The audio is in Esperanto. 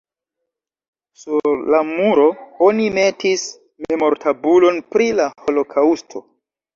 Sur la muro oni metis memortabulon pri la holokaŭsto.